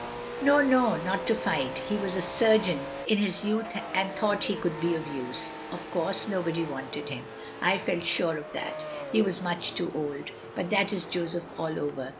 "No — ^no, not to fight — he was a surgeon in his youth and thought he could be of use. Of course nobody wanted him. I felt sure of that. He was much too old. But that is Joseph all over.